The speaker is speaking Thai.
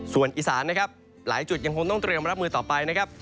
ส่วนอีสานนะครับหลายจุดยังคงต้องเตรียมรับมือต่อไปนะครับ